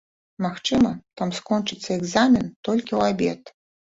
Магчыма, там скончыцца экзамен толькі ў абед.